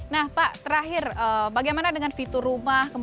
nah pak terakhir bagaimana dengan fitur rumah